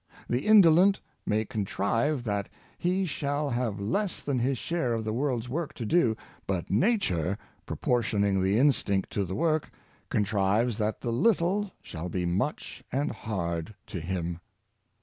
The indolent may contrive that he shall have less than his share of the world's work to do, but Nature, proportioning the instinct to the work, contrives that the little shall be much and hard to him.